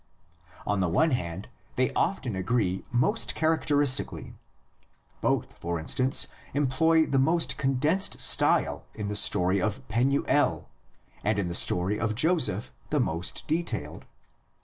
On the one hand they often agree most characteristically: both, for instance, employ the most condensed style in the story of Penuel, and in the story of Joseph the most detailed.